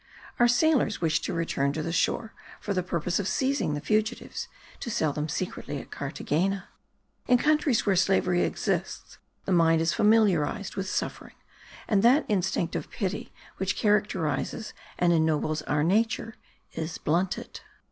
Our sailors wished to return to the shore for the purpose of seizing the fugitives, to sell them secretly at Carthagena. In countries where slavery exists the mind is familiarized with suffering and that instinct of pity which characterizes and enobles our nature is blunted.